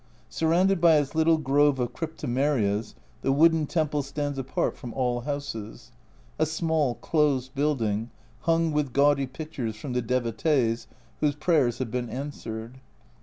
Surrounded by its little grove of cryptomerias the wooden temple stands apart from all houses a small closed building, hung with gaudy pictures from the devotees whose prayers have been answered.